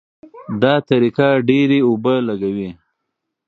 دا طریقه ډېرې اوبه لګوي.